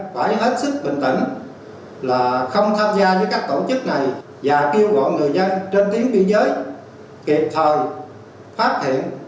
phải hết sức bình tĩnh là không tham gia với các tổ chức này và kêu gọi người dân trên tuyến biên giới kịp thời phát hiện